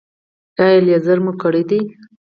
ایا لیزر مو کړی دی؟